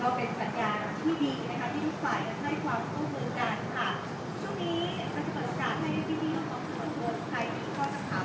ขอบคุณครับเขาเป็นสัญญาณที่ดีนะครับที่ทุกฝ่ายกันในความยกมือกันครับช่วงนี้กันจะเปิดโอกาสให้ที่นี่ของทุกคน